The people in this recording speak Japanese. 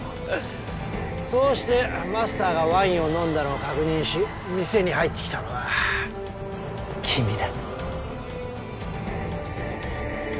そうしてマスターがワインを飲んだのを確認し店に入ってきたのは君だ。